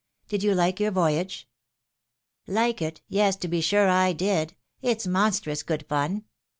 Did you like your voyage ?"" Like it ! yes, to be sure I did. It's monstrous good fun!"